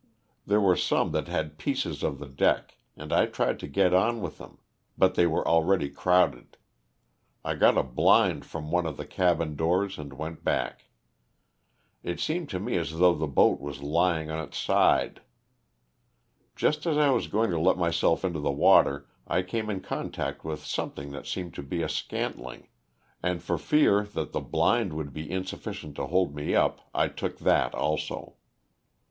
There were some that had pieces of the deck and I tried to get on with them, but they were already crowded ; I got a blind from one of the cabin doors and went back. It seemed to me as though the boat was lying on its side. Just as I was going to let myself into the water I came in contact with something that seemed to be a scantling, and for fear the blind would be insufficient to hold me up, I took that also.